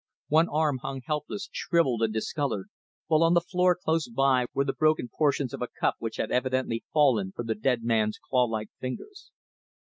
One arm hung helpless, shrivelled and discoloured, while on the floor close by were the broken portions of a cup which had evidently fallen from the dead man's claw like fingers.